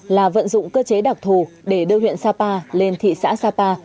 là vận dụng cơ chế đặc thù để đưa huyện sapa lên thị xã sapa